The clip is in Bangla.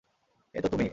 এ তো তুমি!